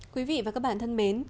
quý vị và các bạn thân mến